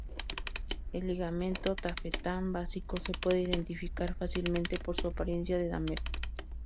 El ligamento tafetán básico se puede identificar fácilmente por su apariencia de damero.